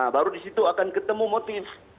baru disitu akan ketemu motif